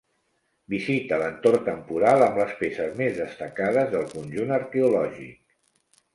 Visita l'entorn temporal amb les peces més destacades del conjunt arqueològic.